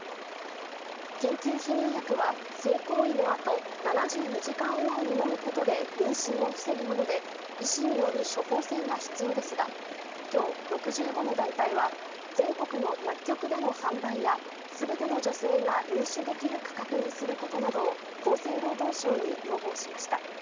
緊急避妊薬は、性行為のあと、７２時間以内に飲むことで妊娠を防ぐもので、医師による処方箋が必要ですが、きょう、６５の団体は、全国の薬局での販売や、すべての女性が入手できる価格にすることなどを、厚生労働省に要望しました。